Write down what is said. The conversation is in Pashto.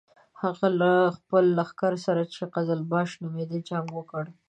هغه له خپل لښکر سره چې قزلباش نومېده جنګ وکړ.